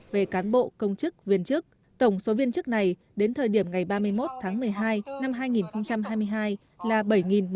về cán bộ công chức viên chức tổng số viên chức này đến thời điểm ngày ba mươi một tháng một mươi hai năm hai nghìn hai mươi hai